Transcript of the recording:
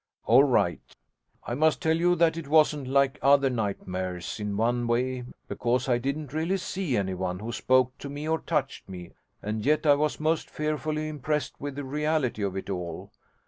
'All right. I must tell you that it wasn't like other nightmares in one way, because I didn't really see anyone who spoke to me or touched me, and yet I was most fearfully impressed with the reality of it all.